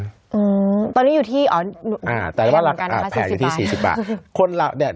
อืมตอนนี้อยู่ที่อ่ะแผลอยู่ที่๔๐บาท